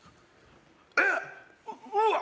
えっうわっ